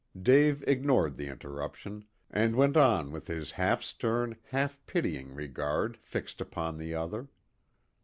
Dave ignored the interruption, and went on with his half stern, half pitying regard fixed upon the other.